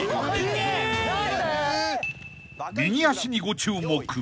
［右足にご注目］